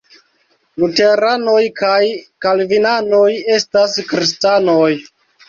Luteranoj kaj Kalvinanoj estas kristanoj.